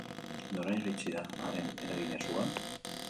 Noraino iritsi da haren eragina zugan?